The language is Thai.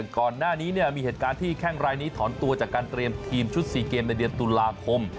ก่อนหน้านี้มีเหตุการณ์ที่แข้งรายนี้ถอนตัวจากการเตรียมทีมชุด๔เกมในเดือนตุลาคม